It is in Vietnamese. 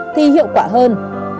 thì hiệu quả hơn